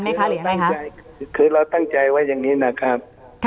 ไหมค่ะหรือไงค่ะคือเราตั้งใจว่าอย่างนี้นะครับ